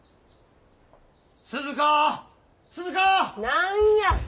何や！